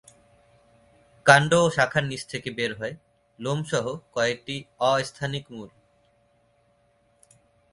কান্ড ও শাখার নিচ থেকে বের হয় লোমসহ কয়েকটি অস্থানিক মূল।